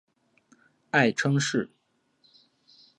爱称是。